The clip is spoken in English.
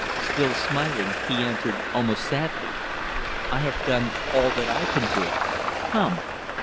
Still smiling, he answered almost sadly, "I have done all that I can do. Come."